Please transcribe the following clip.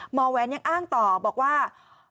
แหวนยังอ้างต่อบอกว่า